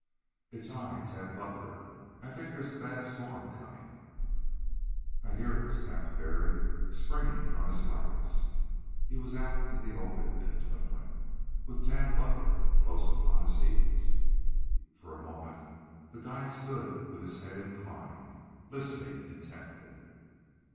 "It's I, Tad Butler. I think there is a bad storm coming " "I hear it," snapped Parry, springing from his blankets. He was out in the open in a twinkling, with Tad Butler close upon his heels. For a moment the guide stood with head inclined, listening intently.